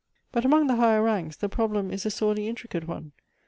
" But among the higher ranks the problem is a sorely intricate one.